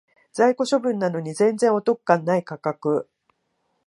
在庫処分なのに全然お得感ない価格